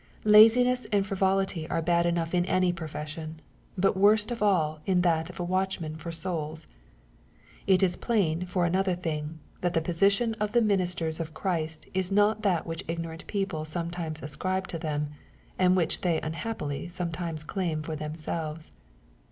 Laziness and frivolity are bad enough in any profession, but worst of all in that of a watchman for souls. — It is plain, for another thing, that the position of the ministers of Christ is not that which ignorant people sometimes ascribe to them, and which they unhappily sometimes claim for themselves.